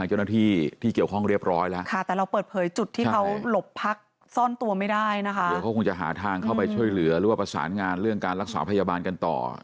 ช่วยเหลือรายลึกประสานงานเรื่องการรักษาพยาบาลกันต่อ